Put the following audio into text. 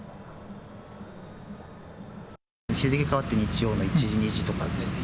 日付変わって、日曜の１時、２時とかですね。